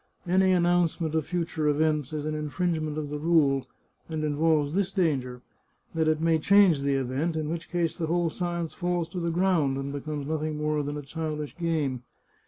Any announcement of future events is an infringe ment of the rule, and involves this danger — that it may change the event, in which case the whole science falls to the ground, and becomes nothing more than a childish game.